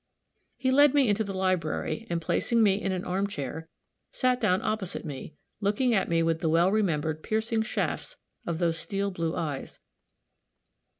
He led me into the library, and placing me in an arm chair, sat down opposite me, looking at me with the well remembered piercing shafts of those steel blue eyes.